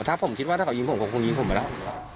ถ้าผมคิดว่าจะยิงผมก็กลงยิงผมไปแล้ว